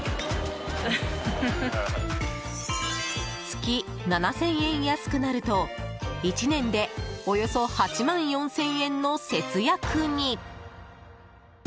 月７０００円安くなると１年でおよそ８万４０００円の節約に。